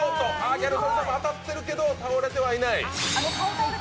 ギャル曽根さんも当たってるけど倒れてはいない。